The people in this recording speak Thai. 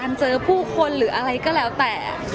มันดื้ออ่ะ